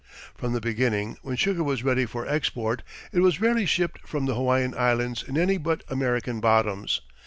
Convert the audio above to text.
From the beginning, when sugar was ready for export, it was rarely shipped from the Hawaiian Islands in any but American bottoms.